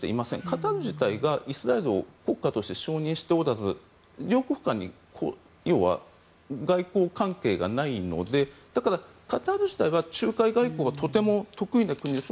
カタール自体がイスラエルを国家として承認しておらず両国間に要は外交関係がないのでだからカタール自体は仲介外交はとても得意な国です。